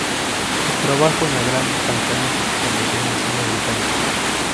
Su trabajo en la gran pantalla comenzó en el cine británico.